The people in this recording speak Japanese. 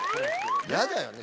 嫌だよね